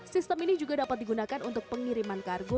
sistem ini juga dapat digunakan untuk pengiriman kargo